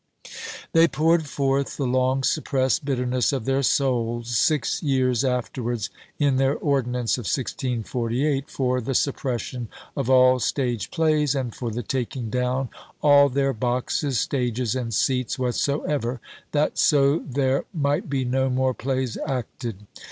They poured forth the long suppressed bitterness of their souls six years afterwards, in their ordinance of 1648, for "the suppression of all stage plaies, and for the taking down all their boxes, stages, and seats whatsoever, that so there might be no more plaies acted."